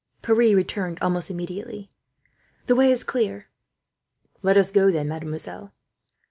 Pierre returned almost immediately. "The way is clear." "Let us go, then, mademoiselle."